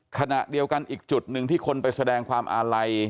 ขณะเดียวกันอีกจุดหนึ่งที่คนไปแสดงความอาลัย